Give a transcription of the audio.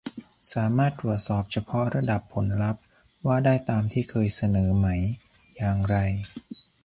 สามารถตรวจสอบเฉพาะระดับผลลัพธ์ว่าได้ตามที่เคยเสนอไหม อย่างไร